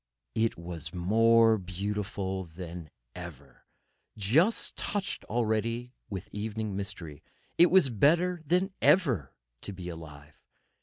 It was more beautiful than ever, just touched already with evening mystery—it was better than ever to be alive.